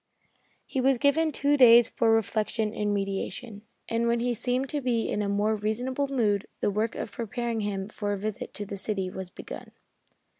He was given two days for reflection and meditation, and when he seemed to be in a more reasonable mood, the work of preparing him for a visit to the city was begun.